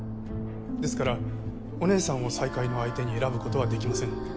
ですからお姉さんを再会の相手に選ぶことは出来ません。